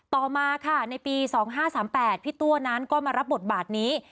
ต่อมาค่ะในปี๒๕๓๘พี่ตัวนั้นก็มารับบทบาทนี้